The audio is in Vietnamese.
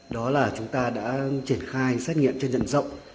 đó là chúng ta đã triển khai xét nghiệm trên diện rộng